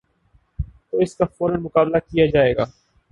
تو اس کا فورا مقابلہ کیا جائے گا۔